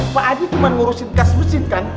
pak aji cuma ngurusin gas mesin kan